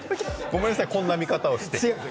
ごめんなさい、こんな見方をして。